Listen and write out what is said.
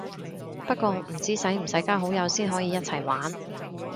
不過唔知使唔使加好友先可以一齊玩